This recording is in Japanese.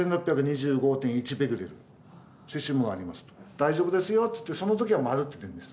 大丈夫ですよっていってその時は「○」って出るんです。